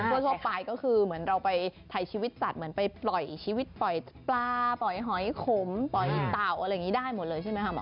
ทั่วไปก็คือเหมือนเราไปถ่ายชีวิตสัตว์เหมือนไปปล่อยชีวิตปล่อยปลาปล่อยหอยขมปล่อยเต่าอะไรอย่างนี้ได้หมดเลยใช่ไหมคะหมอ